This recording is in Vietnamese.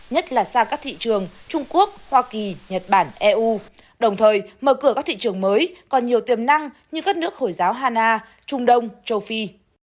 nhất là sang các thị trường trung quốc hoa kỳ nhật bản eu đồng thời mở cửa các thị trường mới còn nhiều tiềm năng như các nước hồi giáo hà na trung đông châu phi